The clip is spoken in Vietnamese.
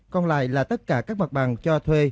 còn lại là tất cả các mặt bằng cho thuê